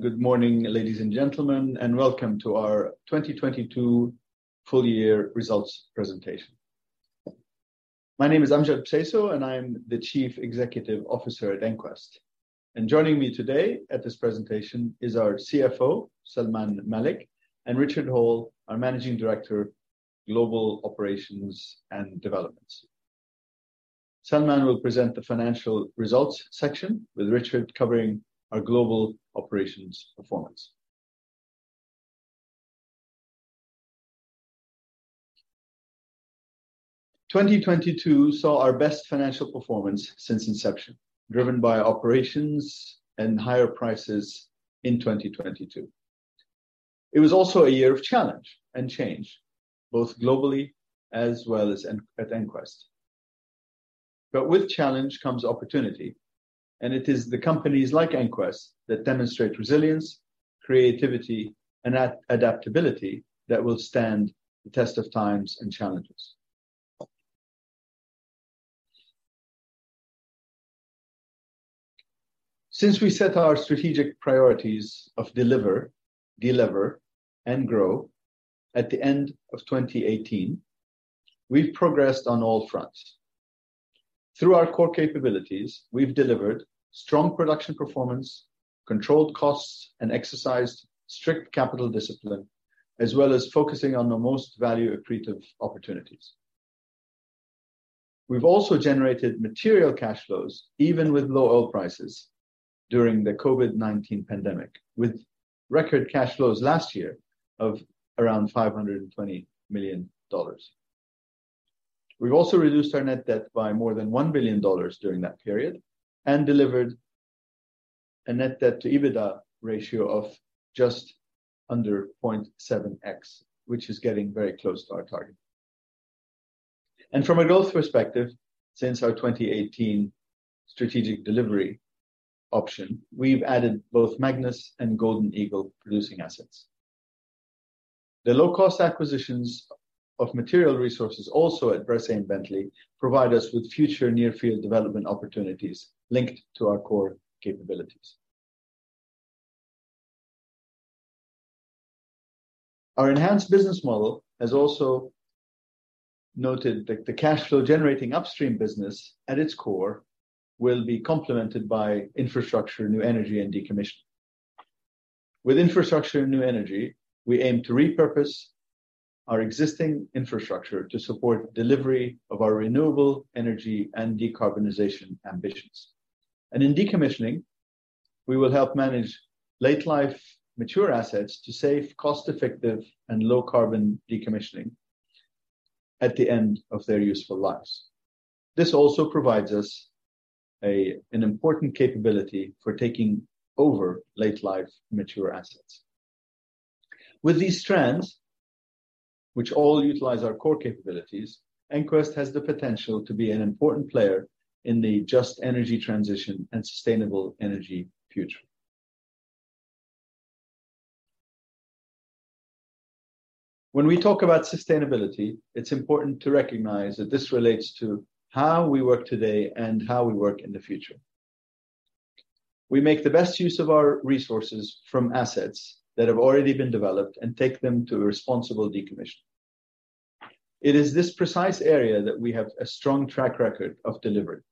Good morning, ladies and gentlemen, and welcome to our 2022 full year results presentation. My name is Amjad Bseisu, and I'm the Chief Executive Officer at EnQuest. Joining me today at this presentation is our CFO, Salman Malik, and Richard Hall, our Managing Director, Global Operations and Developments. Salman will present the financial results section, with Richard covering our global operations performance. 2022 saw our best financial performance since inception, driven by operations and higher prices in 2022. It was also a year of challenge and change, both globally as well as at EnQuest. With challenge comes opportunity, and it is the companies like EnQuest that demonstrate resilience, creativity, and adaptability that will stand the test of times and challenges. Since we set our strategic priorities of deliver, and grow at the end of 2018, we've progressed on all fronts. Through our core capabilities, we've delivered strong production performance, controlled costs, and exercised strict capital discipline, as well as focusing on the most value accretive opportunities. We've also generated material cash flows, even with low oil prices during the COVID-19 pandemic, with record cash flows last year of around $520 million. We've also reduced our net debt by more than $1 billion during that period and delivered a net debt to EBITDA ratio of just under 0.7x, which is getting very close to our target. From a growth perspective, since our 2018 strategic delivery option, we've added both Magnus and Golden Eagle producing assets. The low-cost acquisitions of material resources also at Bressay and Bentley provide us with future near-field development opportunities linked to our core capabilities. Our enhanced business model has also noted that the cash flow generating upstream business at its core will be complemented by infrastructure, new energy, and decommissioning. With infrastructure and new energy, we aim to repurpose our existing infrastructure to support delivery of our renewable energy and decarbonization ambitions. In decommissioning, we will help manage late-life mature assets to safe, cost-effective, and low-carbon decommissioning at the end of their useful lives. This also provides us an important capability for taking over late-life mature assets. With these trends, which all utilize our core capabilities, EnQuest has the potential to be an important player in the just energy transition and sustainable energy future. When we talk about sustainability, it's important to recognize that this relates to how we work today and how we work in the future. We make the best use of our resources from assets that have already been developed and take them to a responsible decommission. It is this precise area that we have a strong track record of delivering.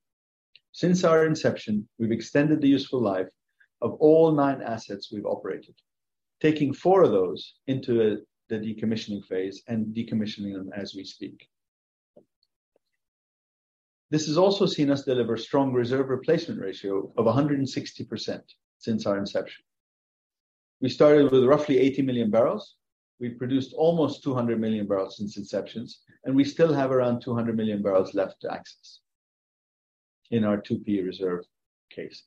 Since our inception, we've extended the useful life of all nine assets we've operated, taking 4 of those into the decommissioning phase and decommissioning them as we speak. This has also seen us deliver strong reserve replacement ratio of 160% since our inception. We started with roughly 80 million barrels. We produced almost 200 million barrels since inception, and we still have around 200 million barrels left to access in our 2P reserve case.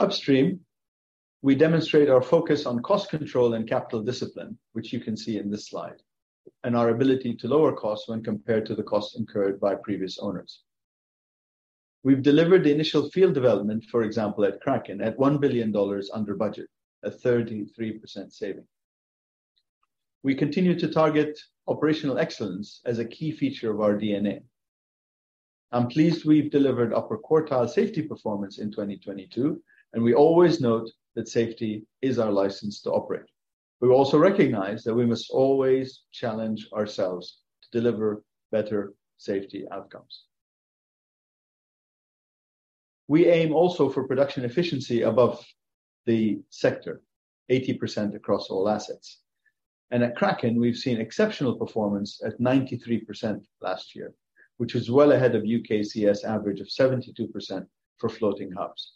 Upstream, we demonstrate our focus on cost control and capital discipline, which you can see in this slide, and our ability to lower costs when compared to the cost incurred by previous owners. We've delivered the initial field development, for example, at Kraken at $1 billion under budget, a 33% saving. We continue to target operational excellence as a key feature of our DNA. I'm pleased we've delivered upper quartile safety performance in 2022. We always note that safety is our license to operate. We also recognize that we must always challenge ourselves to deliver better safety outcomes. We aim also for production efficiency above the sector, 80% across all assets. At Kraken, we've seen exceptional performance at 93% last year, which is well ahead of U.K.CS average of 72% for floating hubs.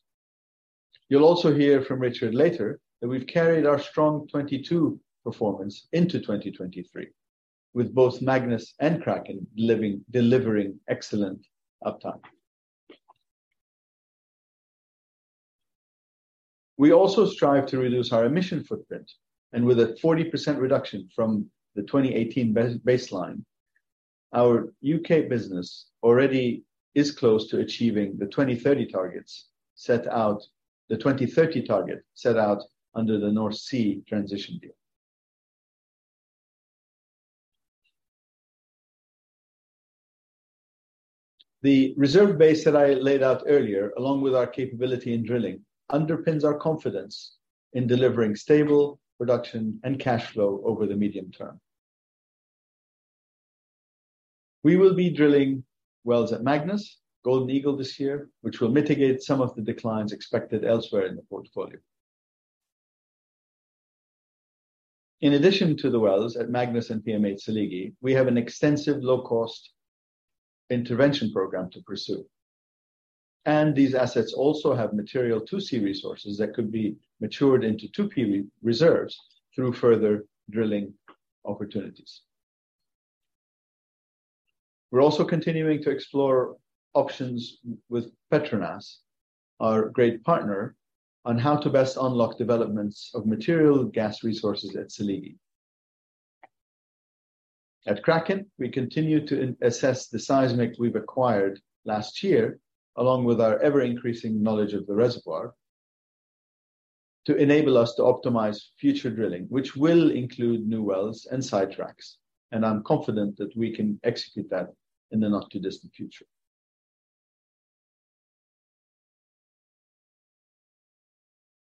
You'll also hear from Richard later that we've carried our strong 2022 performance into 2023, with both Magnus and Kraken living, delivering excellent uptime. We also strive to reduce our emission footprint, and with a 40% reduction from the 2018 baseline, our U.K. business already is close to achieving the 2030 target set out under the North Sea Transition Deal. The reserve base that I laid out earlier, along with our capability in drilling, underpins our confidence in delivering stable production and cash flow over the medium term. We will be drilling wells at Magnus, Golden Eagle this year, which will mitigate some of the declines expected elsewhere in the portfolio. In addition to the wells at Magnus and PM8/Seligi, we have an extensive low-cost intervention program to pursue. These assets also have material 2C resources that could be matured into 2P reserves through further drilling opportunities. We're also continuing to explore options with Petronas, our great partner, on how to best unlock developments of material gas resources at Seligi. At Kraken, we continue to assess the seismic we've acquired last year, along with our ever-increasing knowledge of the reservoir, to enable us to optimize future drilling, which will include new wells and sidetracks. I'm confident that we can execute that in the not-too-distant future.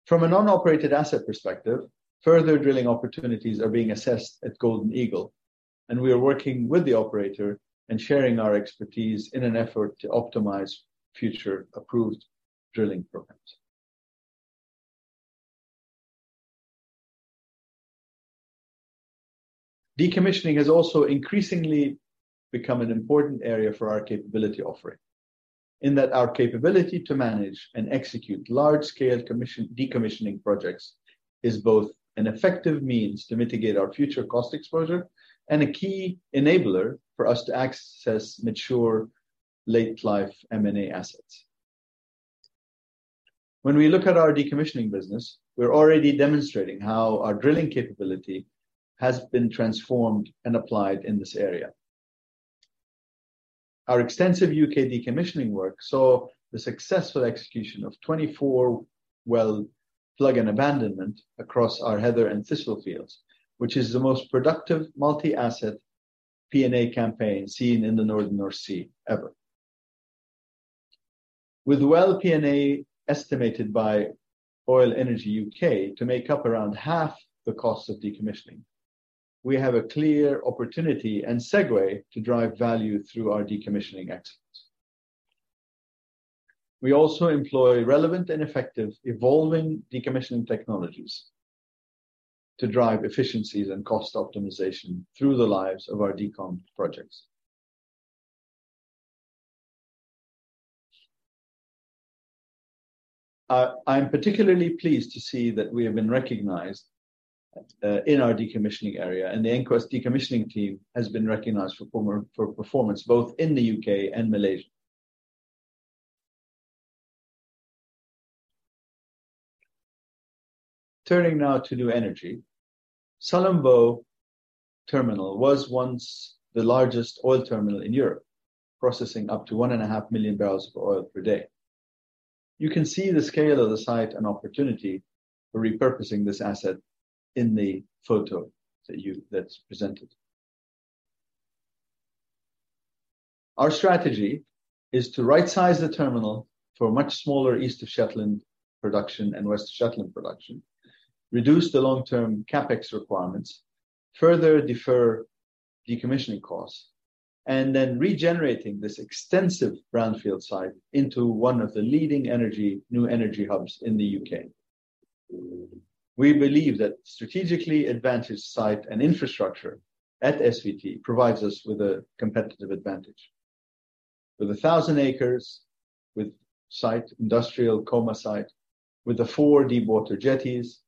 From a non-operated asset perspective, further drilling opportunities are being assessed at Golden Eagle, and we are working with the operator and sharing our expertise in an effort to optimize future approved drilling programs. Decommissioning has also increasingly become an important area for our capability offering in that our capability to manage and execute large-scale decommissioning projects is both an effective means to mitigate our future cost exposure and a key enabler for us to access mature late life M&A assets. When we look at our decommissioning business, we're already demonstrating how our drilling capability has been transformed and applied in this area. Our extensive U.K. decommissioning work saw the successful execution of 24 well plug and abandonment across our Heather and Thistle fields, which is the most productive multi-asset P&A campaign seen in the Northern North Sea ever. With well P&A estimated by Offshore Energies UK to make up around half the cost of decommissioning, we have a clear opportunity and segue to drive value through our decommissioning excellence. We also employ relevant and effective evolving decommissioning technologies to drive efficiencies and cost optimization through the lives of our decomp projects. I'm particularly pleased to see that we have been recognized in our decommissioning area, and the EnQuest decommissioning team has been recognized for performance both in the U.K. and Malaysia. Turning now to new energy. Sullom Voe Terminal was once the largest oil terminal in Europe, processing up to one and a half million barrels of oil per day. You can see the scale of the site and opportunity for repurposing this asset in the photo that's presented. Our strategy is to right-size the terminal for much smaller east of Shetland production and west of Shetland production, reduce the long-term CapEx requirements, further defer decommissioning costs, then regenerating this extensive brownfield site into one of the leading energy, new energy hubs in the U.K. We believe that strategically advantaged site and infrastructure at SVT provides us with a competitive advantage. With 1,000 acres, with site industrial coma site, with the four deep water jetties,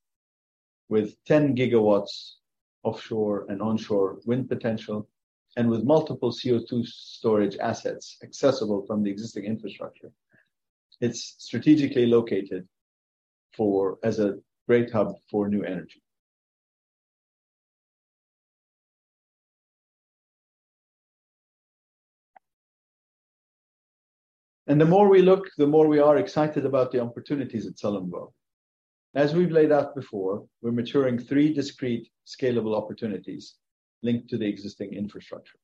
with 10 gigawatts offshore and onshore wind potential, and with multiple CO2 storage assets accessible from the existing infrastructure, it's strategically located for as a great hub for new energy. The more we look, the more we are excited about the opportunities at Sullom Voe. As we've laid out before, we're maturing 3 discrete scalable opportunities linked to the existing infrastructure,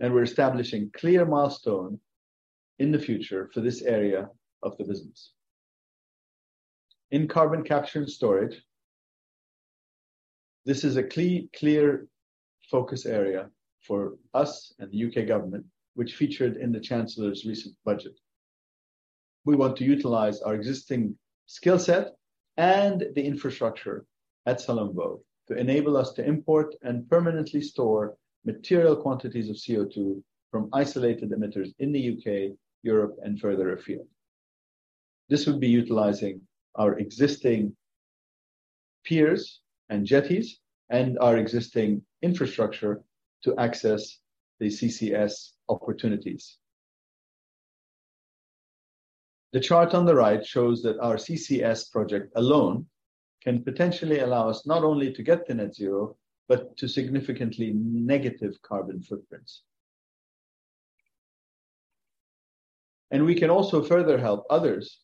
and we're establishing clear milestone in the future for this area of the business. In carbon capture and storage, this is a clear focus area for us and the U.K. government, which featured in the Chancellor's recent budget. We want to utilize our existing skill set and the infrastructure at Sullom Voe to enable us to import and permanently store material quantities of CO2 from isolated emitters in the U.K., Europe and further afield. This would be utilizing our existing piers and jetties and our existing infrastructure to access the CCS opportunities. The chart on the right shows that our CCS project alone can potentially allow us not only to get to net zero, but to significantly negative carbon footprints. We can also further help others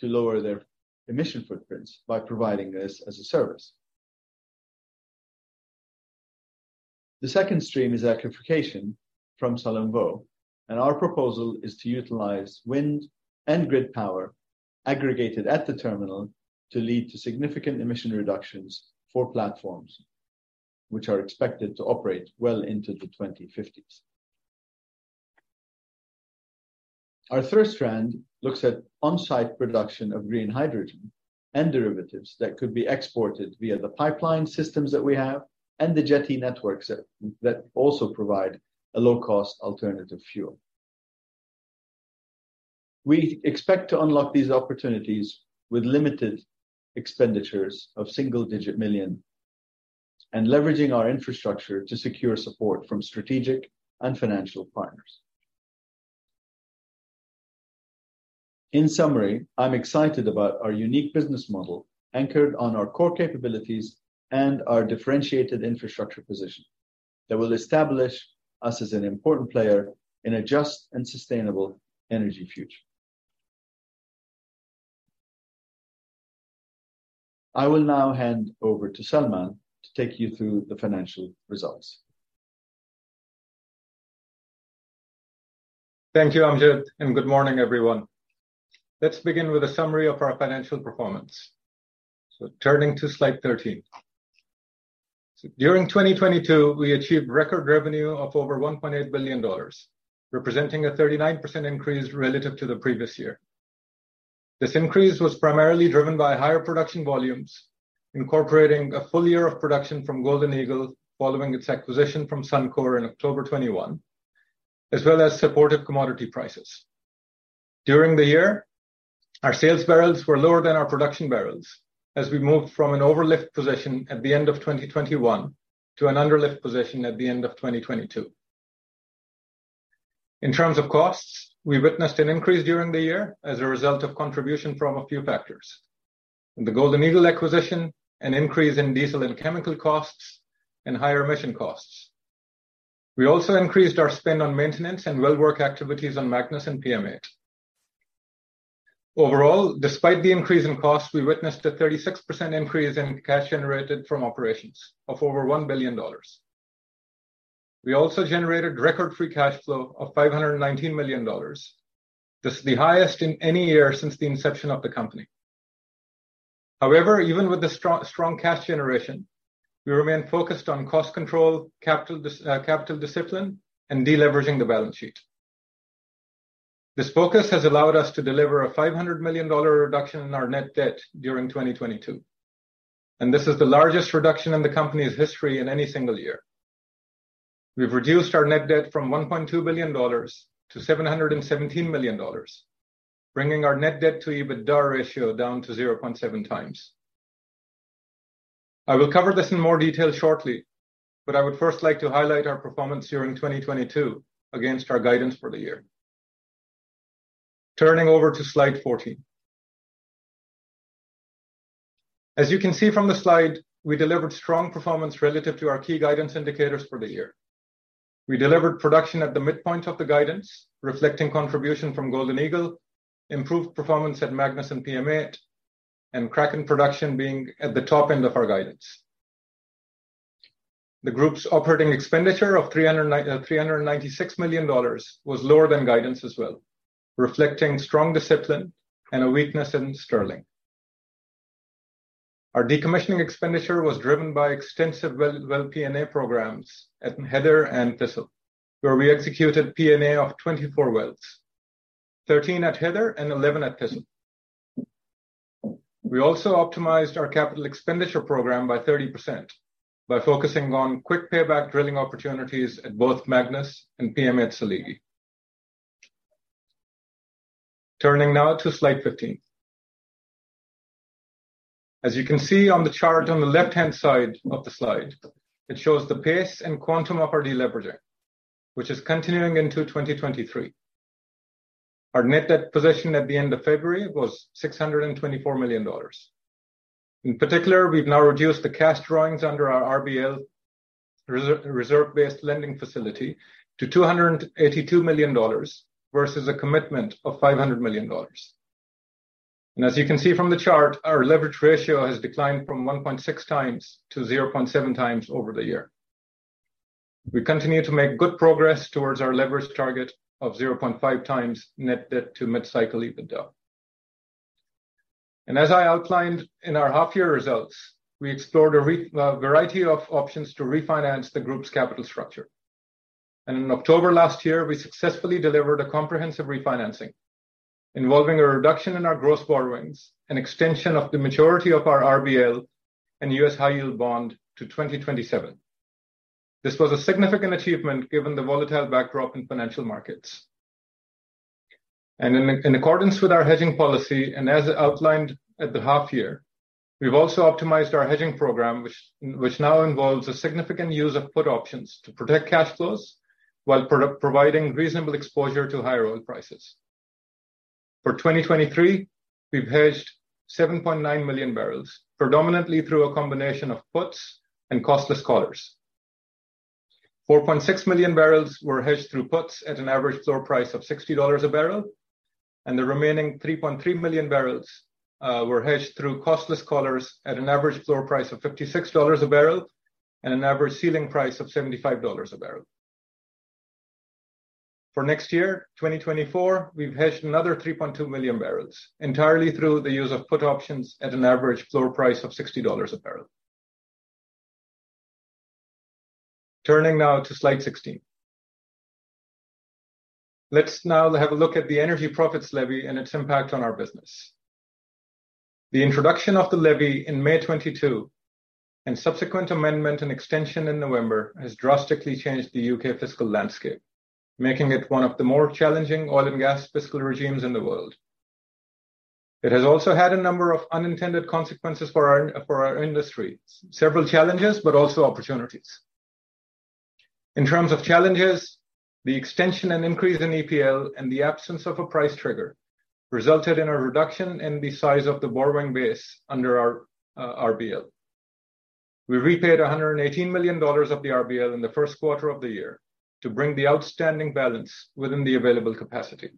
to lower their emission footprints by providing this as a service. The second stream is electrification from Sullom Voe. Our proposal is to utilize wind and grid power aggregated at the terminal to lead to significant emission reductions for platforms which are expected to operate well into the 2050s. Our third strand looks at on-site production of green hydrogen and derivatives that could be exported via the pipeline systems that we have and the jetty networks that also provide a low-cost alternative fuel. We expect to unlock these opportunities with limited expenditures of single-digit million and leveraging our infrastructure to secure support from strategic and financial partners. I'm excited about our unique business model anchored on our core capabilities and our differentiated infrastructure position that will establish us as an important player in a just and sustainable energy future. I will now hand over to Salman to take you through the financial results. Thank you, Amjad, and good morning, everyone. Let's begin with a summary of our financial performance. Turning to slide 13. During 2022, we achieved record revenue of over $1.8 billion, representing a 39% increase relative to the previous year. This increase was primarily driven by higher production volumes, incorporating a full year of production from Golden Eagle following its acquisition from Suncor in October 2021, as well as supportive commodity prices. During the year, our sales barrels were lower than our production barrels as we moved from an over-lift position at the end of 2021 to an under-lift position at the end of 2022. In terms of costs, we witnessed an increase during the year as a result of contribution from a few factors. In the Golden Eagle acquisition, an increase in diesel and chemical costs, and higher emission costs. We also increased our spend on maintenance and well work activities on Magnus and PM8. Overall, despite the increase in costs, we witnessed a 36% increase in cash generated from operations of over $1 billion. We also generated record free cash flow of $519 million. This is the highest in any year since the inception of the company. Even with the strong cash generation, we remain focused on cost control, capital discipline, and deleveraging the balance sheet. This focus has allowed us to deliver a $500 million reduction in our net debt during 2022, and this is the largest reduction in the company's history in any single year. We've reduced our net debt from $1.2 billion to $717 million, bringing our net debt to EBITDA ratio down to 0.7 times. I will cover this in more detail shortly, but I would first like to highlight our performance during 2022 against our guidance for the year. Turning over to slide 14. As you can see from the slide, we delivered strong performance relative to our key guidance indicators for the year. We delivered production at the midpoint of the guidance, reflecting contribution from Golden Eagle, improved performance at Magnus and PM8, and Kraken production being at the top end of our guidance. The group's operating expenditure of $396 million was lower than guidance as well, reflecting strong discipline and a weakness in sterling. Our decommissioning expenditure was driven by extensive well P&A programs at Heather and Thistle, where we executed P&A of 24 wells, 13 at Heather and 11 at Thistle. We also optimized our capital expenditure program by 30% by focusing on quick payback drilling opportunities at both Magnus and PM8/Seligi. Turning now to slide 15. As you can see on the chart on the left-hand side of the slide, it shows the pace and quantum of our deleveraging, which is continuing into 2023. Our net debt position at the end of February was $624 million. In particular, we've now reduced the cash drawings under our RBL reserve-based lending facility to $282 million versus a commitment of $500 million. As you can see from the chart, our leverage ratio has declined from 1.6 times to 0.7 times over the year. We continue to make good progress towards our leverage target of 0.5 times net debt to mid-cycle EBITDA. As I outlined in our half-year results, we explored a variety of options to refinance the group's capital structure. In October last year, we successfully delivered a comprehensive refinancing involving a reduction in our gross borrowings, an extension of the majority of our RBL and US high-yield bond to 2027. This was a significant achievement given the volatile backdrop in financial markets. In accordance with our hedging policy and as outlined at the half-year, we've also optimized our hedging program, which now involves a significant use of put options to protect cash flows while providing reasonable exposure to higher oil prices. For 2023, we've hedged 7.9 million barrels, predominantly through a combination of puts and costless collars. 4.6 million barrels were hedged through puts at an average floor price of $60 a barrel, and the remaining 3.3 million barrels were hedged through costless collars at an average floor price of $56 a barrel and an average ceiling price of $75 a barrel. For next year, 2024, we've hedged another 3.2 million barrels entirely through the use of put options at an average floor price of $60 a barrel. Turning now to slide 16. Let's now have a look at the Energy Profits Levy and its impact on our business. The introduction of the levy in May 2022 and subsequent amendment and extension in November has drastically changed the U.K. fiscal landscape, making it one of the more challenging oil and gas fiscal regimes in the world. It has also had a number of unintended consequences for our industry. Several challenges. Also opportunities. In terms of challenges, the extension and increase in EPL and the absence of a price trigger resulted in a reduction in the size of the borrowing base under our RBL. We repaid $118 million of the RBL in the first quarter of the year to bring the outstanding balance within the available capacity.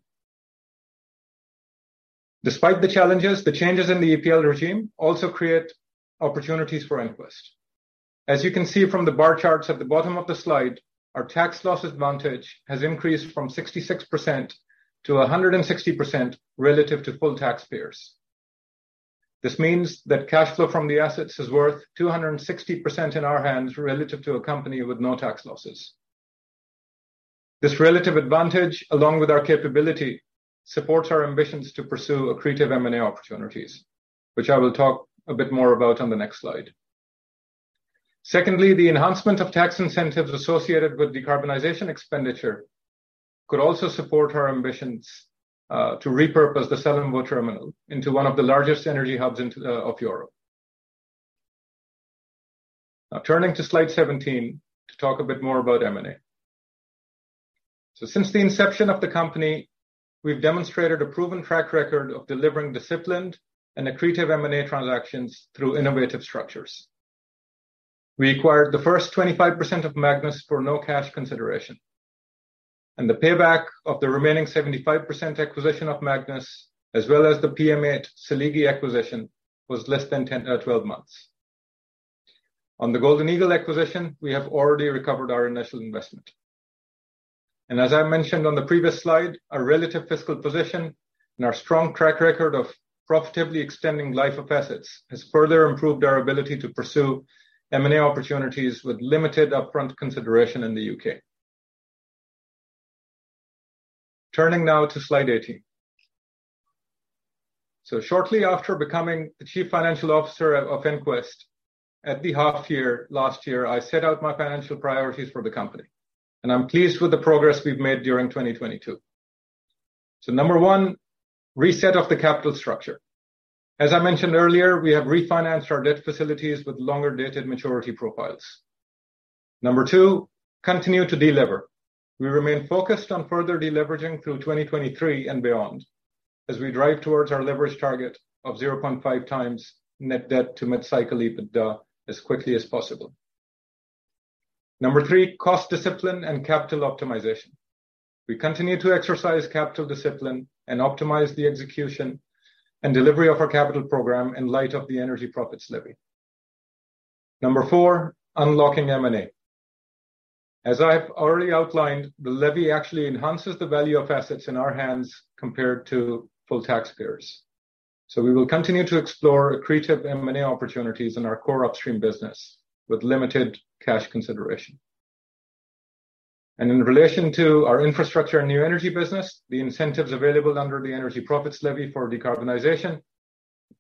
Despite the challenges, the changes in the EPL regime also create opportunities for EnQuest. As you can see from the bar charts at the bottom of the slide, our tax loss advantage has increased from 66% to 160% relative to full taxpayers. This means that cash flow from the assets is worth 260% in our hands relative to a company with no tax losses. This relative advantage, along with our capability, supports our ambitions to pursue accretive M&A opportunities, which I will talk a bit more about on the next slide. The enhancement of tax incentives associated with decarbonization expenditure could also support our ambitions to repurpose the Sullom Voe Terminal into one of the largest energy hubs in of Europe. Turning to slide 17 to talk a bit more about M&A. Since the inception of the company, we've demonstrated a proven track record of delivering disciplined and accretive M&A transactions through innovative structures. We acquired the first 25% of Magnus for no cash consideration, and the payback of the remaining 75% acquisition of Magnus, as well as the PM8/Seligi acquisition, was less than 12 months. On the Golden Eagle acquisition, we have already recovered our initial investment. As I mentioned on the previous slide, our relative fiscal position and our strong track record of profitably extending life of assets has further improved our ability to pursue M&A opportunities with limited upfront consideration in the U.K. Turning now to slide 18. Shortly after becoming the chief financial officer of EnQuest at the half year last year, I set out my financial priorities for the company, and I'm pleased with the progress we've made during 2022. Number one, reset of the capital structure. As I mentioned earlier, we have refinanced our debt facilities with longer-dated maturity profiles. Number two, continue to de-lever. We remain focused on further de-leveraging through 2023 and beyond as we drive towards our leverage target of 0.5 times net debt to mid-cycle EBITDA as quickly as possible. Number three, cost discipline and capital optimization. We continue to exercise capital discipline and optimize the execution and delivery of our capital program in light of the Energy Profits Levy. Number four, unlocking M&A. As I've already outlined, the levy actually enhances the value of assets in our hands compared to full taxpayers. We will continue to explore accretive M&A opportunities in our core upstream business with limited cash consideration. In relation to our infrastructure and new energy business, the incentives available under the Energy Profits Levy for decarbonization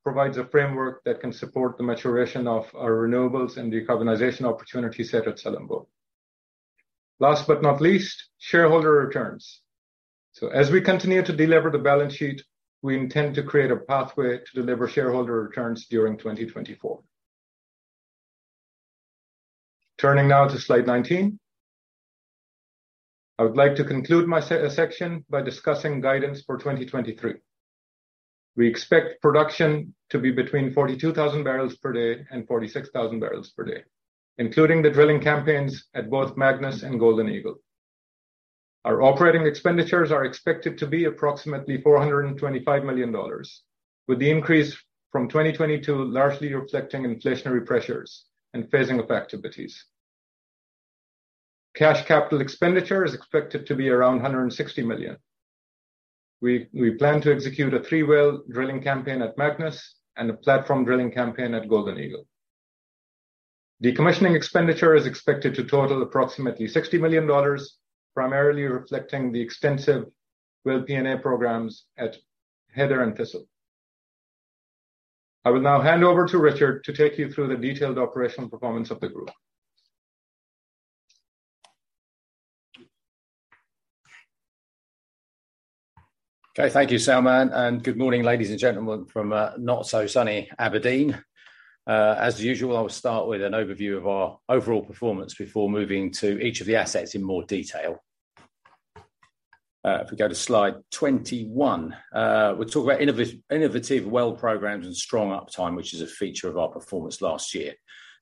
provides a framework that can support the maturation of our renewables and decarbonization opportunity set at Sullom Voe. Last but not least, shareholder returns. As we continue to de-lever the balance sheet, we intend to create a pathway to deliver shareholder returns during 2024. Turning now to slide 19. I would like to conclude my section by discussing guidance for 2023. We expect production to be between 42,000 barrels per day and 46,000 barrels per day, including the drilling campaigns at both Magnus and Golden Eagle. Our operating expenditures are expected to be approximately $425 million, with the increase from 2022 largely reflecting inflationary pressures and phasing of activities. Cash capital expenditure is expected to be around $160 million. We plan to execute a three-well drilling campaign at Magnus and a platform drilling campaign at Golden Eagle. Decommissioning expenditure is expected to total approximately $60 million, primarily reflecting the extensive well P&A programs at Heather and Thistle. I will now hand over to Richard to take you through the detailed operational performance of the group. Okay. Thank you, Salman. Good morning, ladies and gentlemen, from not so sunny Aberdeen. As usual, I will start with an overview of our overall performance before moving to each of the assets in more detail. If we go to slide 21, we talk about innovative well programs and strong uptime, which is a feature of our performance last year.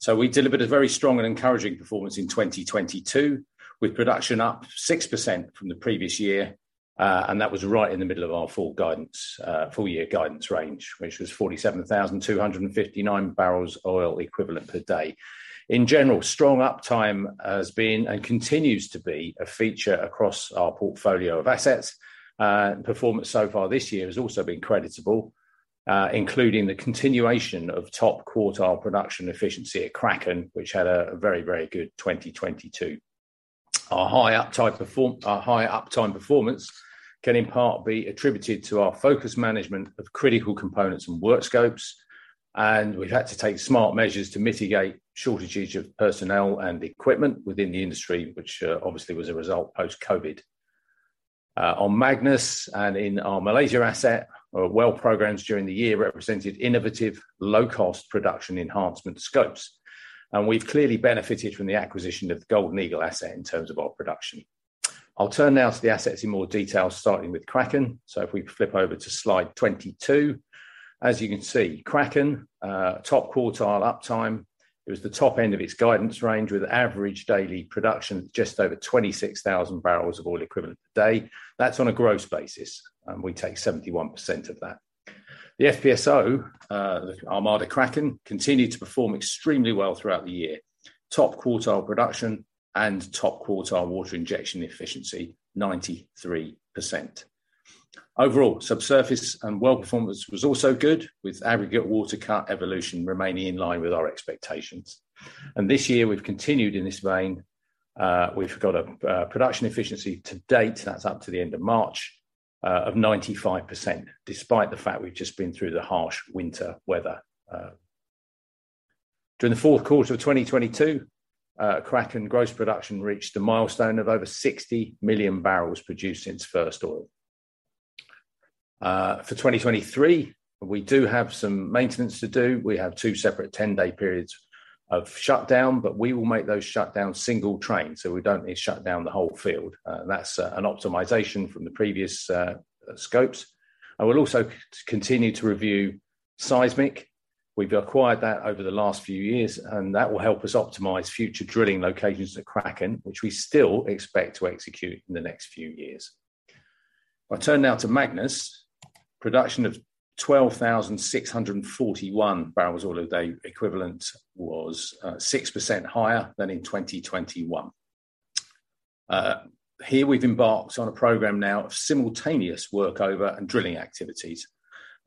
We delivered a very strong and encouraging performance in 2022, with production up 6% from the previous year, and that was right in the middle of our full guidance, full year guidance range, which was 47,259 barrels oil equivalent per day. In general, strong uptime has been and continues to be a feature across our portfolio of assets. Performance so far this year has also been creditable, including the continuation of top quartile production efficiency at Kraken, which had a very good 2022. Our high uptime perform... Our high uptime performance can in part be attributed to our focus management of critical components and work scopes, and we've had to take smart measures to mitigate shortages of personnel and equipment within the industry, which obviously was a result post-COVID. On Magnus and in our Malaysia asset, our well programs during the year represented innovative, low-cost production enhancement scopes. We've clearly benefited from the acquisition of Golden Eagle asset in terms of our production. I'll turn now to the assets in more detail, starting with Kraken. If we flip over to slide 22. As you can see, Kraken, top quartile uptime. It was the top end of its guidance range with average daily production just over 26,000 barrels of oil equivalent per day. That's on a gross basis, and we take 71% of that. The FPSO, the Armada Kraken, continued to perform extremely well throughout the year. Top quartile production and top quartile water injection efficiency, 93%. Overall, subsurface and well performance was also good, with aggregate water cut evolution remaining in line with our expectations. This year, we've continued in this vein. We've got a production efficiency to date, that's up to the end of March, of 95%, despite the fact we've just been through the harsh winter weather. During the fourth quarter of 2022, Kraken gross production reached a milestone of over 60 million barrels produced since first oil. For 2023, we do have some maintenance to do. We have 2 separate 10-day periods of shutdown, but we will make those shutdowns single train, so we don't need to shut down the whole field. That's an optimization from the previous scopes. We'll also continue to review seismic. We've acquired that over the last few years, and that will help us optimize future drilling locations at Kraken, which we still expect to execute in the next few years. If I turn now to Magnus. Production of 12,641 barrels oil a day equivalent was 6% higher than in 2021. Here we've embarked on a program now of simultaneous workover and drilling activities.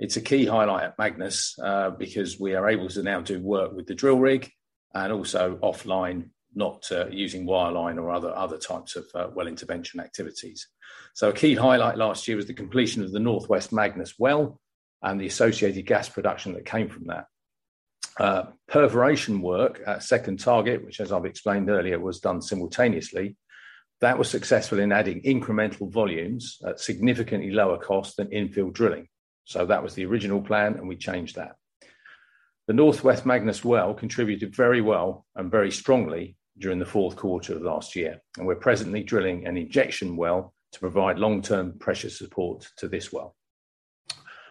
It's a key highlight at Magnus, because we are able to now do work with the drill rig and also offline, not using wireline or other types of well intervention activities. A key highlight last year was the completion of the North West Magnus well and the associated gas production that came from that. Perforation work at second target, which as I've explained earlier, was done simultaneously. That was successful in adding incremental volumes at significantly lower cost than infill drilling. That was the original plan, and we changed that. The North West Magnus well contributed very well and very strongly during the fourth quarter of last year. We're presently drilling an injection well to provide long-term pressure support to this well.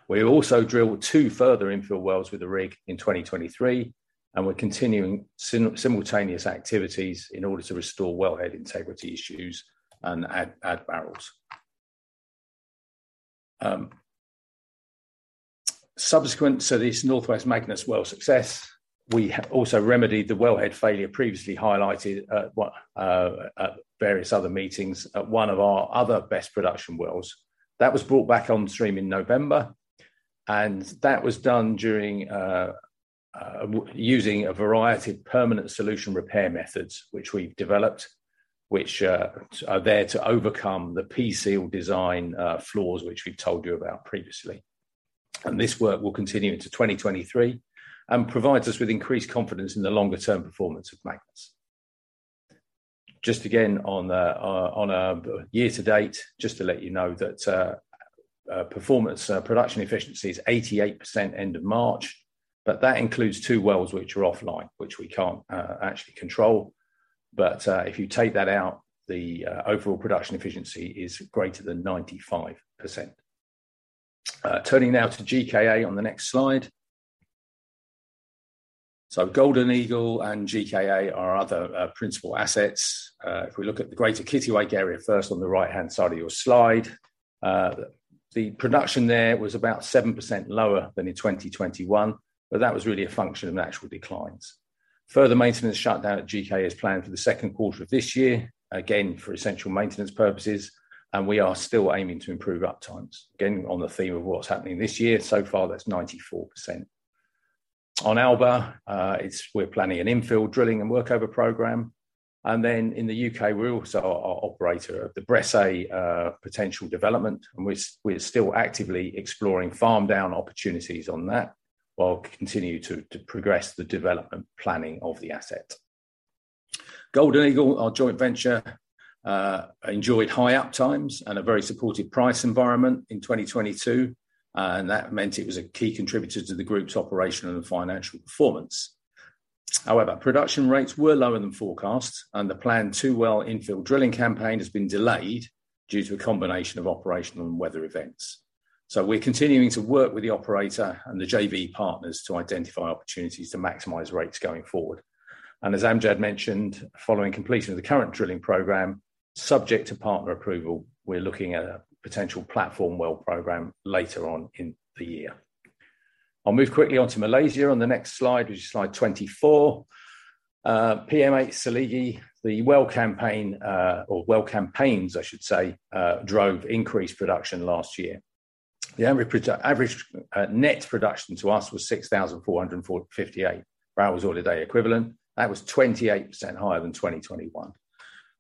We also drilled two further infill wells with the rig in 2023, and we're continuing simultaneous activities in order to restore wellhead integrity issues and add barrels. Subsequent to this North West Magnus well success, we have also remedied the wellhead failure previously highlighted at various other meetings at one of our other best production wells. That was brought back on stream in November, and that was done during using a variety of permanent solution repair methods which we've developed, which are there to overcome the P seal design flaws which we've told you about previously. This work will continue into 2023 and provides us with increased confidence in the longer-term performance of Magnus. Just again on year to date, just to let you know that performance, production efficiency is 88% end of March, but that includes two wells which are offline, which we can't actually control. If you take that out, the overall production efficiency is greater than 95%. Turning now to GKA on the next slide. Golden Eagle and GKA are our other, principal assets. If we look at the Greater Kittiwake Area first on the right-hand side of your slide, the production there was about 7% lower than in 2021, but that was really a function of natural declines. Further maintenance shutdown at GKA is planned for the 2Q of this year. Again, for essential maintenance purposes, and we are still aiming to improve uptimes. Again, on the theme of what's happening this year, so far that's 94%. On Alba, we're planning an infill drilling and workover program. In the U.K., we're also operator of the Bressay potential development, and we're still actively exploring farm-down opportunities on that while continue to progress the development planning of the asset. Golden Eagle, our joint venture, enjoyed high uptimes and a very supportive price environment in 2022. It was a key contributor to the group's operational and financial performance. However, production rates were lower than forecast and the planned 2 well infill drilling campaign has been delayed due to a combination of operational and weather events. We're continuing to work with the operator and the JV partners to identify opportunities to maximize rates going forward. As Amjad mentioned, following completion of the current drilling program, subject to partner approval, we're looking at a potential platform well program later on in the year. I'll move quickly on to Malaysia on the next slide, which is slide 24. PM8 Seligi, the well campaign, or well campaigns, I should say, drove increased production last year. The average net production to us was 6,458 barrels of oil equivalent. That was 28% higher than 2021.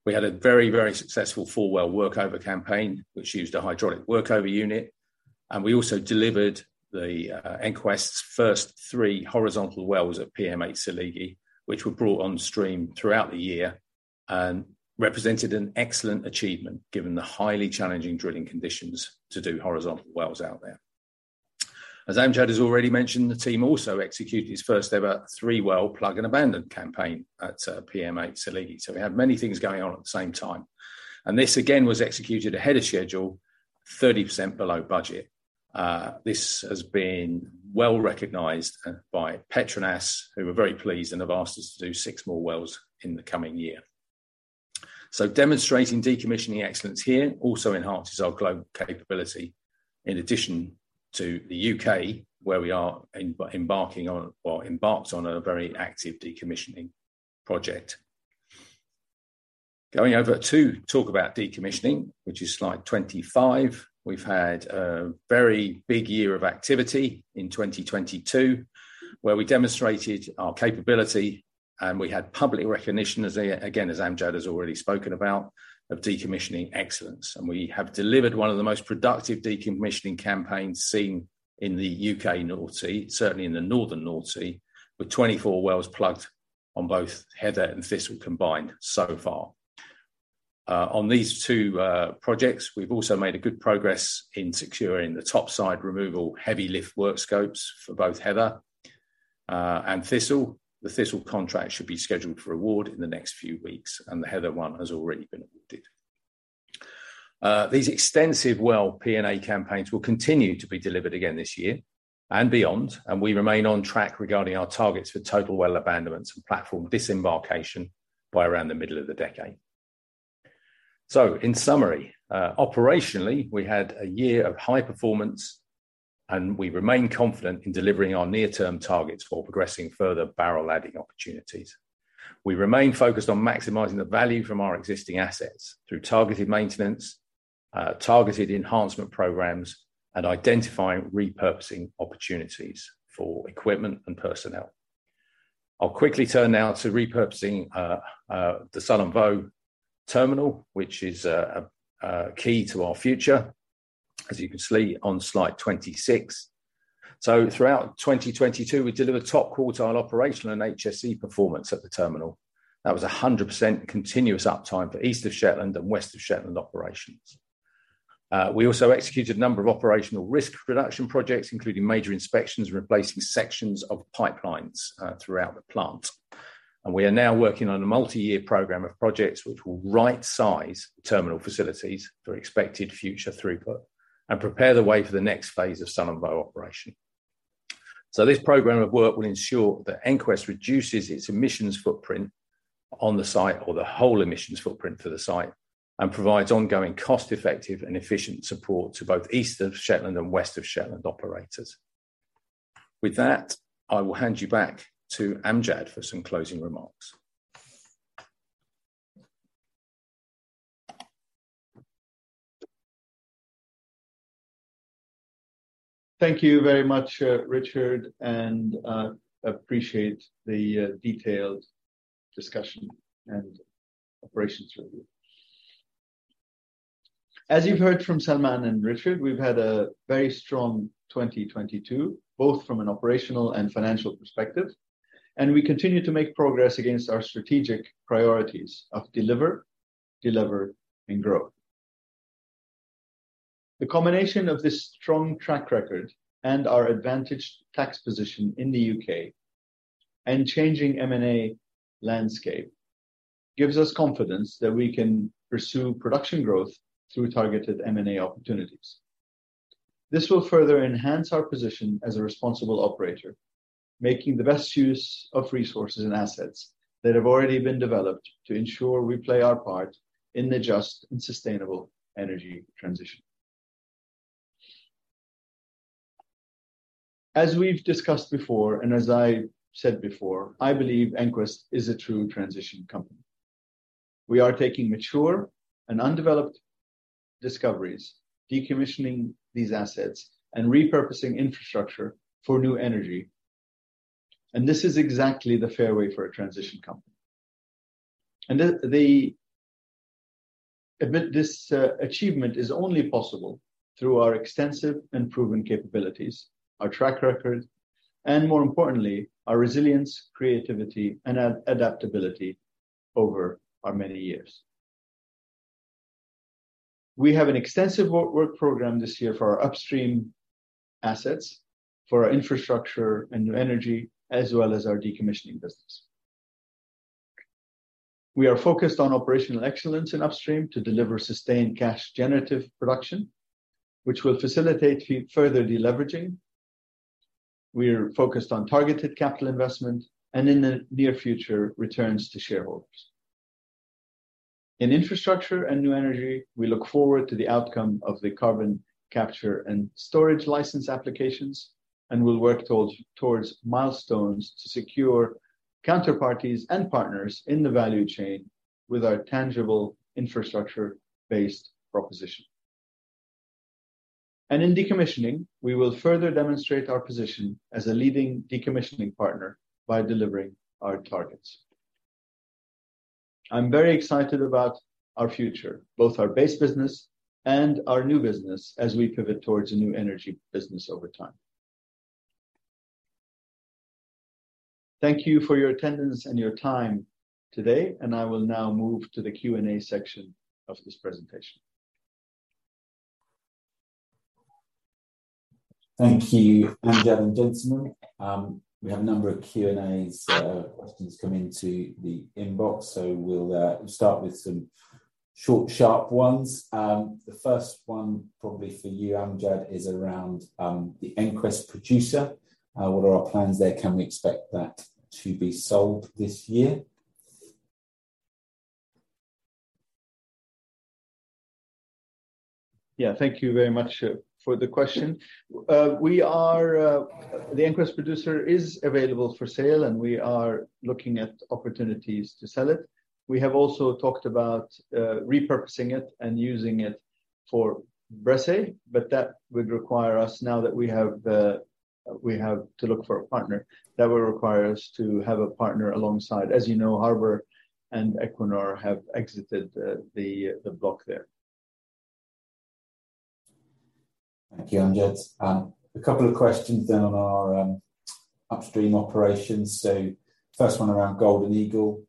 We had a very, very successful 4-well workover campaign, which used a hydraulic workover unit. We also delivered the EnQuest's first 3 horizontal wells at PM8/Seligi, which were brought on stream throughout the year and represented an excellent achievement given the highly challenging drilling conditions to do horizontal wells out there. As Amjad has already mentioned, the team also executed its first-ever 3-well plug and abandon campaign at PM8/Seligi. We had many things going on at the same time. This again was executed ahead of schedule, 30% below budget. This has been well-recognized by Petronas, who were very pleased and have asked us to do 6 more wells in the coming year. Demonstrating decommissioning excellence here also enhances our global capability in addition to the U.K., where we are embarking on or embarked on a very active decommissioning project. Going over to talk about decommissioning, which is slide 25. We've had a very big year of activity in 2022, where we demonstrated our capability and we had public recognition as, again, as Amjad has already spoken about, of decommissioning excellence. We have delivered one of the most productive decommissioning campaigns seen in the U.K. North Sea, certainly in the northern North Sea, with 24 wells plugged on both Heather and Thistle combined so far. On these two projects, we've also made good progress in securing the top side removal heavy lift work scopes for both Heather and Thistle. The Thistle contract should be scheduled for award in the next few weeks. The Heather one has already been awarded. These extensive well P&A campaigns will continue to be delivered again this year and beyond, and we remain on track regarding our targets for total well abandonments and platform disembarkation by around the middle of the decade. In summary, operationally, we had a year of high performance, and we remain confident in delivering our near-term targets for progressing further barrel adding opportunities. We remain focused on maximizing the value from our existing assets through targeted maintenance, targeted enhancement programs, and identifying repurposing opportunities for equipment and personnel. I'll quickly turn now to repurposing the Sullom Voe Terminal, which is key to our future, as you can see on slide 26. Throughout 2022, we delivered top quartile operational and HSE performance at the terminal. That was 100% continuous uptime for East of Shetland and West of Shetland operations. We also executed a number of operational risk reduction projects, including major inspections and replacing sections of pipelines throughout the plant. We are now working on a multi-year program of projects which will right-size terminal facilities for expected future throughput and prepare the way for the next phase of Sullom Voe operation. This program of work will ensure that EnQuest reduces its emissions footprint on the site or the whole emissions footprint for the site and provides ongoing cost-effective and efficient support to both East of Shetland and West of Shetland operators. With that, I will hand you back to Amjad for some closing remarks. Thank you very much, Richard, and appreciate the detailed discussion and operations review. As you've heard from Salman and Richard, we've had a very strong 2022, both from an operational and financial perspective, and we continue to make progress against our strategic priorities of deliver, and grow. The combination of this strong track record and our advantaged tax position in the U.K. and changing M&A landscape gives us confidence that we can pursue production growth through targeted M&A opportunities. This will further enhance our position as a responsible operator, making the best use of resources and assets that have already been developed to ensure we play our part in the just and sustainable energy transition. As we've discussed before, and as I said before, I believe EnQuest is a true transition company. We are taking mature and undeveloped discoveries, decommissioning these assets, and repurposing infrastructure for new energy. This is exactly the fairway for a transition company. This achievement is only possible through our extensive and proven capabilities, our track record, and more importantly, our resilience, creativity, and adaptability over our many years. We have an extensive work program this year for our upstream assets, for our infrastructure and new energy, as well as our decommissioning business. We are focused on operational excellence in upstream to deliver sustained cash generative production, which will facilitate further deleveraging. We are focused on targeted capital investment and, in the near future, returns to shareholders. In infrastructure and new energy, we look forward to the outcome of the carbon capture and storage license applications, we'll work towards milestones to secure counterparties and partners in the value chain with our tangible infrastructure-based proposition. In decommissioning, we will further demonstrate our position as a leading decommissioning partner by delivering our targets. I'm very excited about our future, both our base business and our new business as we pivot towards a new energy business over time. Thank you for your attendance and your time today, I will now move to the Q&A section of this presentation. Thank you, Amjad and gentlemen. We have a number of Q&A questions come into the inbox. We'll start with some short sharp ones. The first one probably for you, Amjad, is around the EnQuest Producer. What are our plans there? Can we expect that to be sold this year? Yeah. Thank you very much for the question. The EnQuest Producer is available for sale. We are looking at opportunities to sell it. We have also talked about repurposing it and using it for Bressay. That would require us, now that we have to look for a partner, that will require us to have a partner alongside. As you know, Harbour and Equinor have exited the block there. Thank you, Amjad. A couple of questions then on our upstream operations. First one around Golden Eagle.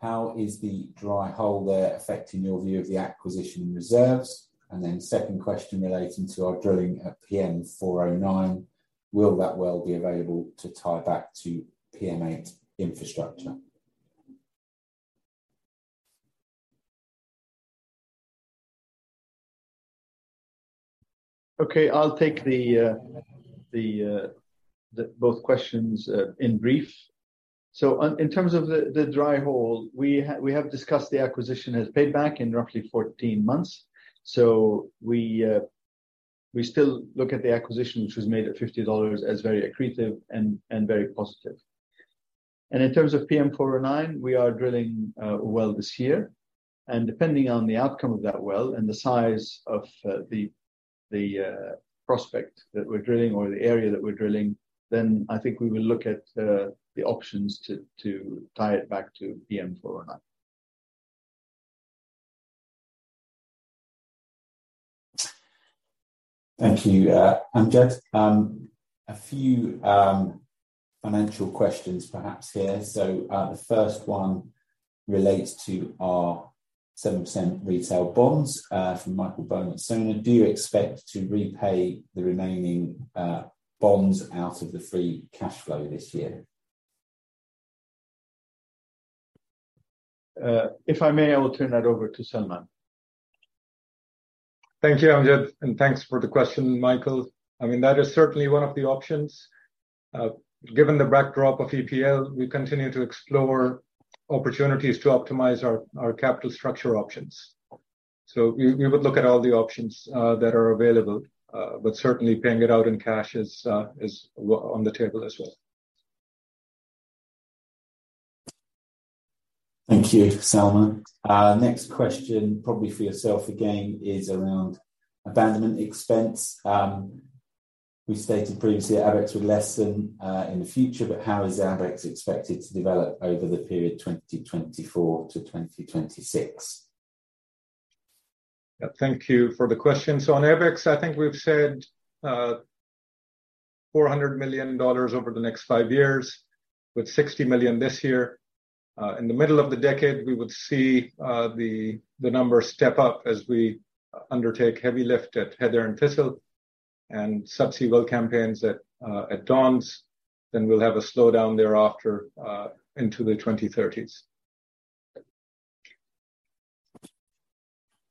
How is the dry hole there affecting your view of the acquisition reserves? Second question relating to our drilling at PM409, will that well be available to tie back to PM8 infrastructure? Okay, I'll take the both questions in brief. On, in terms of the dry hole, we have discussed the acquisition as paid back in roughly 14 months. We still look at the acquisition, which was made at $50 as very accretive and very positive. In terms of PM409, we are drilling a well this year. Depending on the outcome of that well and the size of the prospect that we're drilling or the area that we're drilling, then I think we will look at the options to tie it back to PM409. Thank you, Amjad. A few financial questions perhaps here. The first one relates to our 7% retail bonds, from Michael Boam at Sona. Do you expect to repay the remaining bonds out of the free cash flow this year? If I may, I will turn that over to Salman. Thank you, Amjad. Thanks for the question, Michael. I mean, that is certainly one of the options. Given the backdrop of EPL, we continue to explore opportunities to optimize our capital structure options. We would look at all the options that are available, but certainly paying it out in cash is on the table as well. Thank you, Salman. next question, probably for yourself again, is around abandonment expense. we stated previously Abex would lessen in the future, but how is Abex expected to develop over the period 2024 to 2026? Yeah, thank you for the question. On Abex, I think we've said $400 million over the next five years, with $60 million this year. In the middle of the decade, we would see the numbers step up as we undertake heavy lift at Heather and Thistle and subsea well campaigns at Dons. We'll have a slowdown thereafter into the 2030s.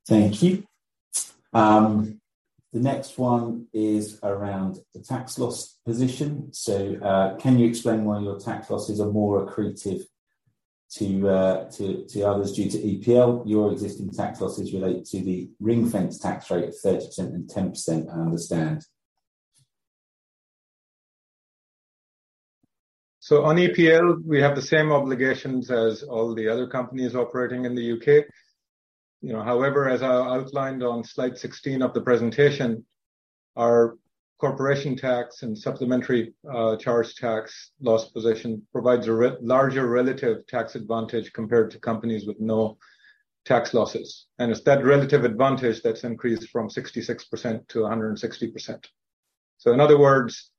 Thank you. The next one is around the tax loss position. Can you explain why your tax losses are more accretive to others due to EPL? Your existing tax losses relate to the ring-fence tax rate of 30% and 10%, I understand. On EPL, we have the same obligations as all the other companies operating in the U.K. You know, however, as I outlined on slide 16 of the presentation, our corporation tax and supplementary charge tax loss position provides a larger relative tax advantage compared to companies with no tax losses. It's that relative advantage that's increased from 66% to 160%. In other words,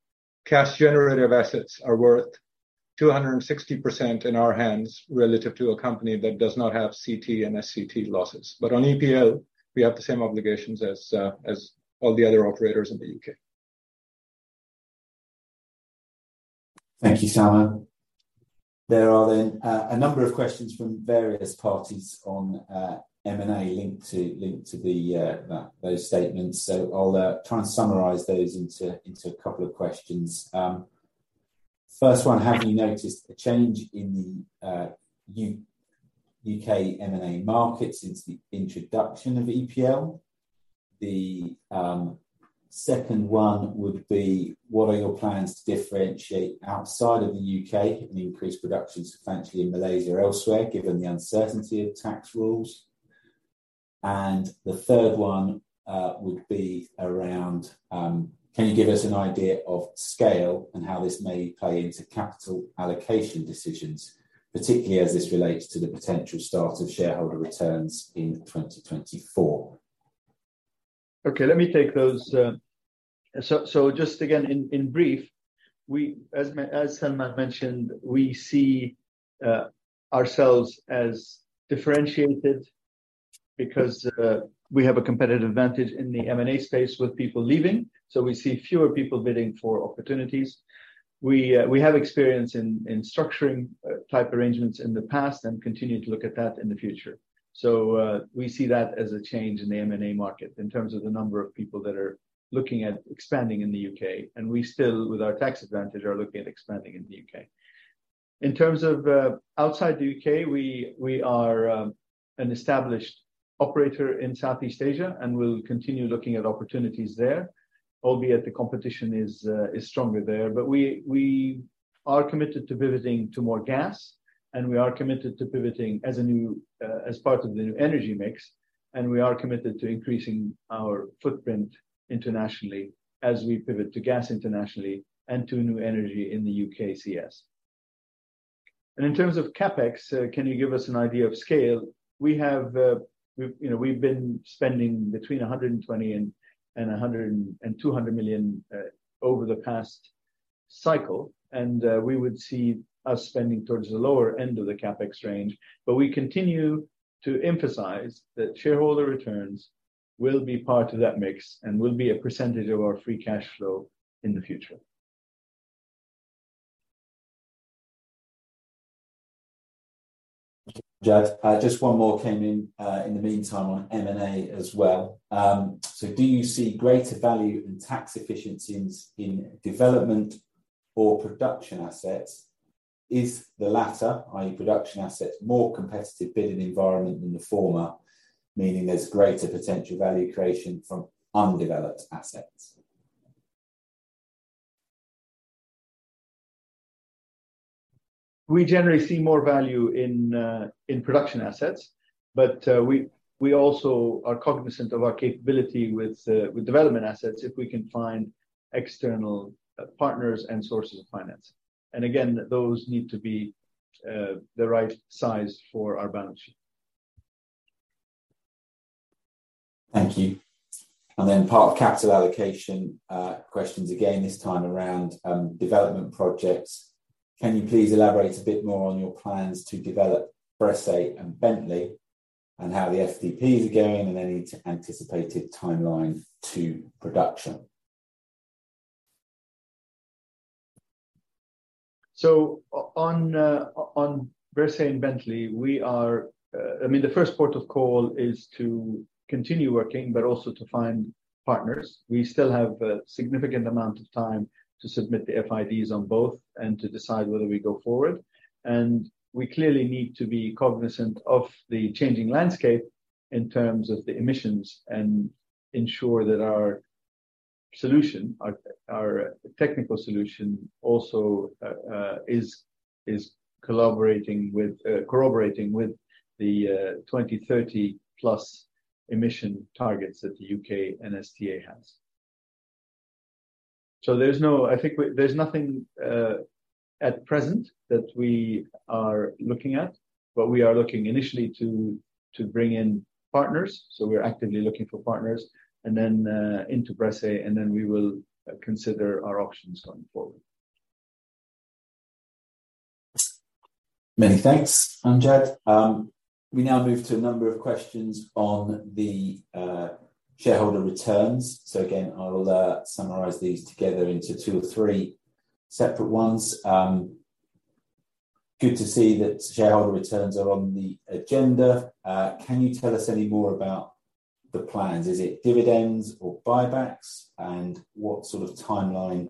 cash generative assets are worth 260% in our hands relative to a company that does not have CT and SCT losses. On EPL, we have the same obligations as all the other operators in the U.K. Thank you, Salman. There are a number of questions from various parties on M&A linked to those statements. I'll try and summarize those into a couple of questions. First one, have you noticed a change in the U.K. M&A market since the introduction of EPL? Second one would be what are your plans to differentiate outside of the U.K. and increase production substantially in Malaysia or elsewhere, given the uncertainty of tax rules? Third one would be around, can you give us an idea of scale and how this may play into capital allocation decisions, particularly as this relates to the potential start of shareholder returns in 2024? Okay, let me take those. Just again, in brief, we, as Salman mentioned, we see ourselves as differentiated because we have a competitive advantage in the M&A space with people leaving. We see fewer people bidding for opportunities. We have experience in structuring type arrangements in the past and continue to look at that in the future. We see that as a change in the M&A market in terms of the number of people that are looking at expanding in the U.K., and we still, with our tax advantage, are looking at expanding in the U.K. In terms of outside the U.K., we are an established operator in Southeast Asia, and we'll continue looking at opportunities there, albeit the competition is stronger there. We are committed to pivoting to more gas, and we are committed to pivoting as a new, as part of the new energy mix, and we are committed to increasing our footprint internationally as we pivot to gas internationally and to new energy in the U.K. CS. In terms of CapEx, can you give us an idea of scale? We have, you know, we've been spending between $120 million and $200 million over the past cycle, and we would see us spending towards the lower end of the CapEx range. We continue to emphasize that shareholder returns will be part of that mix and will be a percentage of our free cash flow in the future. Amjad, just one more came in the meantime on M&A as well. Do you see greater value in tax efficiencies in development or production assets? Is the latter, i.e. production assets, more competitive bidding environment than the former, meaning there's greater potential value creation from undeveloped assets? We generally see more value in in production assets, but we also are cognizant of our capability with with development assets if we can find external partners and sources of finance. Again, those need to be the right size for our balance sheet. Thank you. Part of capital allocation, questions again, this time around, development projects. Can you please elaborate a bit more on your plans to develop Bressay and Bentley and how the FDPs are going and any anticipated timeline to production? On Bressay and Bentley, we are, I mean, the first port of call is to continue working, but also to find partners. We still have a significant amount of time to submit the FIDs on both and to decide whether we go forward. We clearly need to be cognizant of the changing landscape in terms of the emissions and ensure that our solution, our technical solution also is collaborating with, corroborating with the 2030 plus emission targets that the U.K. and NSTA has. There's no. I think there's nothing at present that we are looking at, but we are looking initially to bring in partners, so we're actively looking for partners, and then, into Bressay, and then we will consider our options going forward. Many thanks, Amjad. We now move to a number of questions on the shareholder returns. Again, I'll summarize these together into 2 or 3 separate ones. Good to see that shareholder returns are on the agenda. Can you tell us any more about the plans? Is it dividends or buybacks? What sort of timeline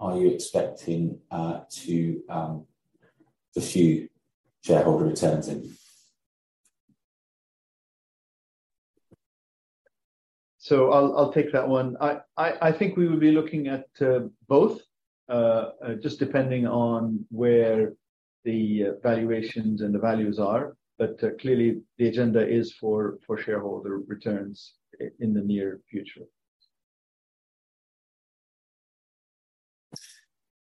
are you expecting to pursue shareholder returns in? I'll take that one. I think we will be looking at both just depending on where the valuations and the values are. Clearly the agenda is for shareholder returns in the near future.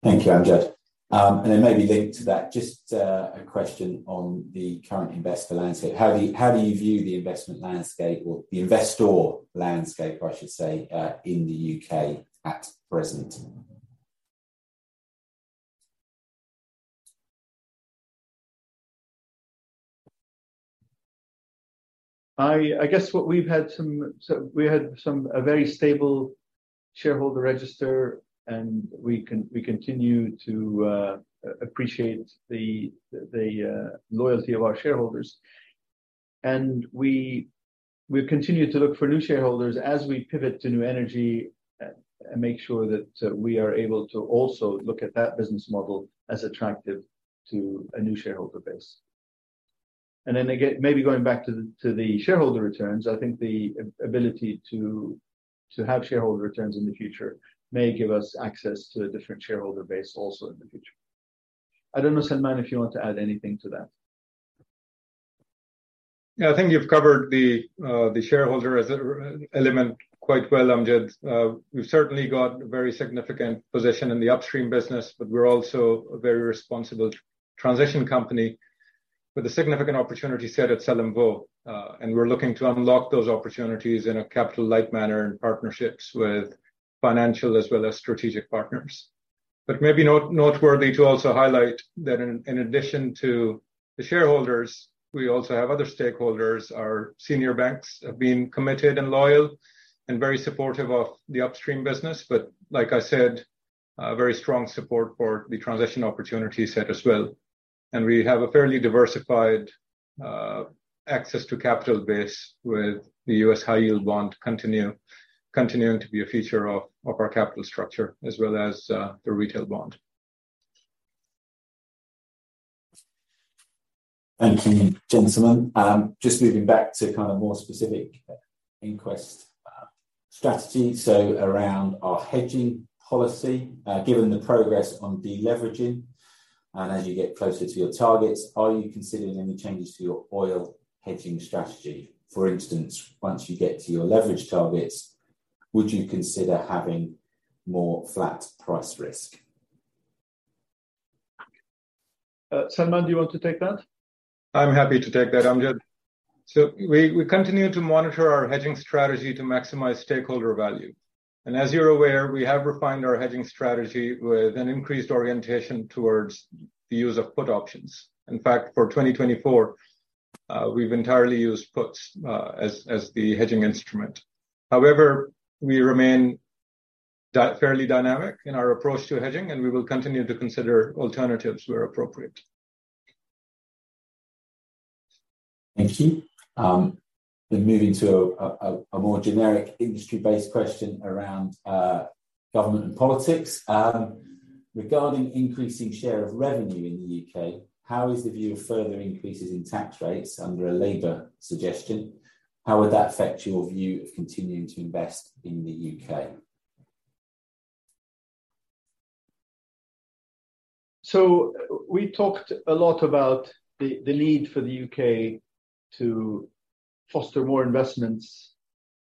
Thank you, Amjad. Maybe linked to that, just a question on the current investor landscape. How do you view the investment landscape or the investor landscape, I should say, in the U.K. at present? I guess what we've had some. We had some, a very stable shareholder register, and we continue to appreciate the loyalty of our shareholders. We continue to look for new shareholders as we pivot to new energy and make sure that we are able to also look at that business model as attractive to a new shareholder base. Then maybe going back to the shareholder returns, I think the ability to have shareholder returns in the future may give us access to a different shareholder base also in the future. I don't know, Salman, if you want to add anything to that. Yeah. I think you've covered the shareholder as an element quite well, Amjad. We've certainly got a very significant position in the upstream business, but we're also a very responsible transition company with a significant opportunity set at Sullom Voe. We're looking to unlock those opportunities in a capital light manner and partnerships with financial as well as strategic partners. Maybe not-noteworthy to also highlight that in addition to the shareholders, we also have other stakeholders. Our senior banks have been committed and loyal and very supportive of the upstream business. Like I said, a very strong support for the transition opportunity set as well. We have a fairly diversified access to capital base with the US high-yield bond continuing to be a feature of our capital structure as well as the retail bond. Thank you, gentlemen. Just moving back to kind of more specific EnQuest strategy. Around our hedging policy, given the progress on deleveraging and as you get closer to your targets, are you considering any changes to your oil hedging strategy? For instance, once you get to your leverage targets, would you consider having more flat price risk? Salman, do you want to take that? I'm happy to take that, Amjad. We continue to monitor our hedging strategy to maximize stakeholder value. As you're aware, we have refined our hedging strategy with an increased orientation towards the use of put options. In fact, for 2024, we've entirely used puts as the hedging instrument. However, we remain fairly dynamic in our approach to hedging, and we will continue to consider alternatives where appropriate. Thank you. Moving to a more generic industry-based question around government and politics. Regarding increasing share of revenue in the U.K., how is the view of further increases in tax rates under a Labour suggestion, how would that affect your view of continuing to invest in the U.K.? We talked a lot about the need for the U.K. to foster more investments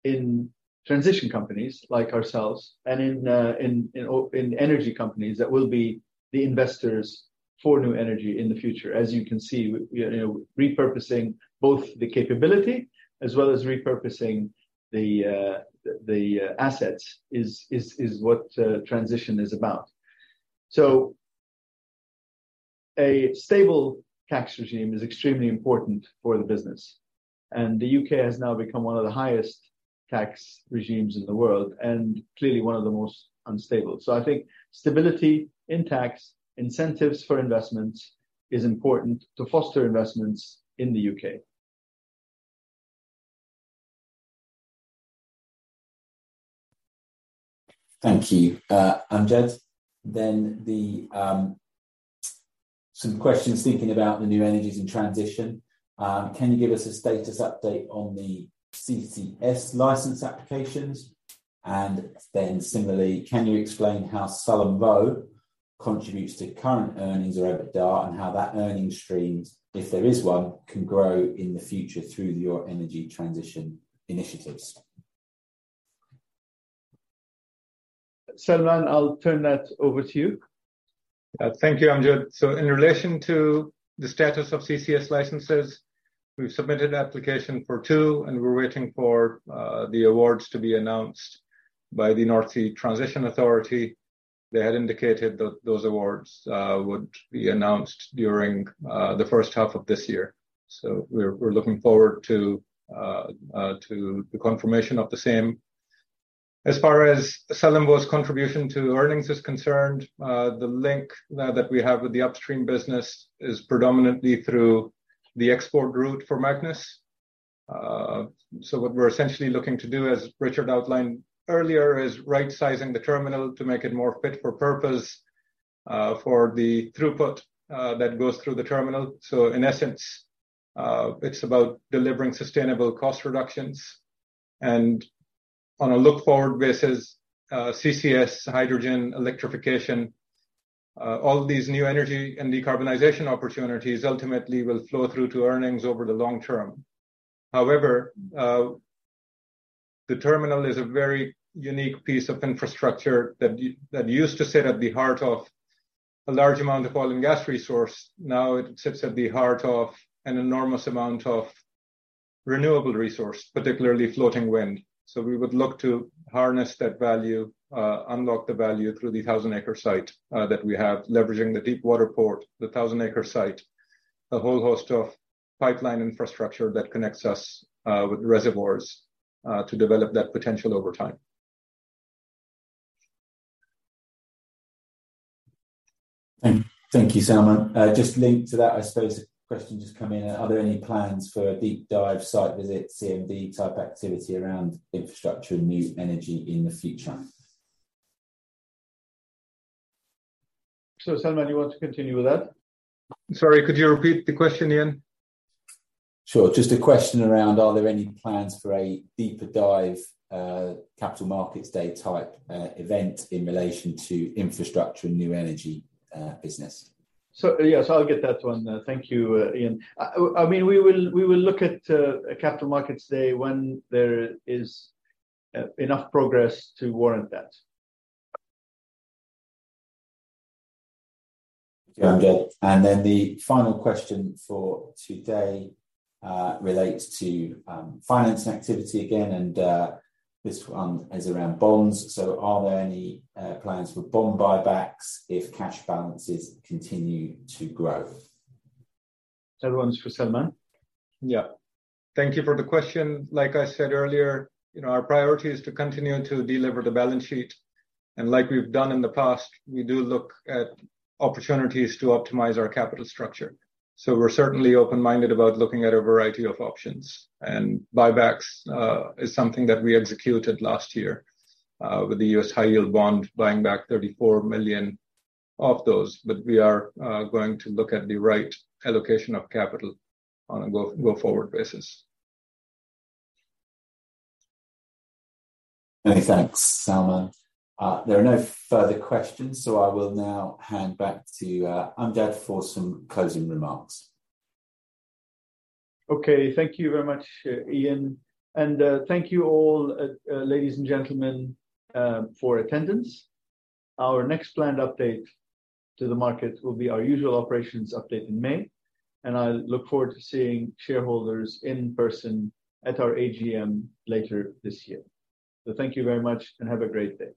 in transition companies like ourselves and in energy companies that will be the investors for new energy in the future. As you can see, you know, repurposing both the capability as well as repurposing the assets is what transition is about. A stable tax regime is extremely important for the business, and the U.K. has now become one of the highest tax regimes in the world and clearly one of the most unstable. I think stability in tax, incentives for investments is important to foster investments in the U.K. Thank you, Amjad. The, some questions thinking about the new energies in transition. Can you give us a status update on the CCS license applications? Similarly, can you explain how Sullom Voe contributes to current earnings or EBITDA and how that earnings streams, if there is one, can grow in the future through your energy transition initiatives? Salman, I'll turn that over to you. Thank you, Amjad. In relation to the status of CCS licenses, we've submitted an application for two, and we're waiting for the awards to be announced by the North Sea Transition Authority. They had indicated that those awards would be announced during the first half of this year. We're looking forward to the confirmation of the same. As far as Sullom Voe's contribution to earnings is concerned, the link now that we have with the upstream business is predominantly through the export route for Magnus. What we're essentially looking to do, as Richard outlined earlier, is right sizing the terminal to make it more fit for purpose for the throughput that goes through the terminal. In essence, it's about delivering sustainable cost reductions. On a look-forward basis, CCS, hydrogen, electrification, all these new energy and decarbonization opportunities ultimately will flow through to earnings over the long term. However, the terminal is a very unique piece of infrastructure that used to sit at the heart of a large amount of oil and gas resource. Now it sits at the heart of an enormous amount of renewable resource, particularly floating wind. We would look to harness that value, unlock the value through the 1,000-acre site that we have, leveraging the deep water port, the 1,000-acre site, a whole host of pipeline infrastructure that connects us with reservoirs to develop that potential over time. Thank you, Salman. Just linked to that, I suppose a question just come in. Are there any plans for a deep dive site visit, CMD type activity around infrastructure and new energy in the future? Salman, you want to continue with that? Sorry, could you repeat the question, Ian? Sure. Just a question around are there any plans for a deeper dive, capital markets day type event in relation to infrastructure and new energy business? Yes, I'll get that one. Thank you, Ian. I mean, we will look at a capital markets day when there is enough progress to warrant that. Okay. The final question for today, relates to, financing activity again, and, this one is around bonds. Are there any, plans for bond buybacks if cash balances continue to grow? That one's for Salman. Yeah. Thank you for the question. Like I said earlier, you know, our priority is to continue to deliver the balance sheet. Like we've done in the past, we do look at opportunities to optimize our capital structure. We're certainly open-minded about looking at a variety of options. Buybacks is something that we executed last year with the U.S. high-yield bond, buying back $34 million of those. We are going to look at the right allocation of capital on a go forward basis. Many thanks, Salman. There are no further questions. I will now hand back to Amjad for some closing remarks. Okay. Thank you very much, Ian. Thank you all, ladies and gentlemen, for attendance. Our next planned update to the market will be our usual operations update in May, and I look forward to seeing shareholders in person at our AGM later this year. Thank you very much and have a great day.